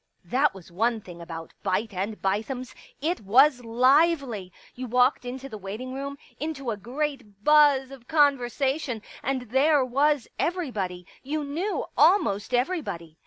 1 That was one thing about Beit and Bithems ; it was lively. You walked into the waiting room, into a great buzz of conversation, and there was every body ; you knew almost everybody.